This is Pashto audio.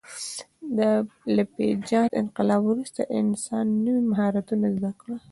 له پېژاند انقلاب وروسته انسان نوي مهارتونه زده کړل.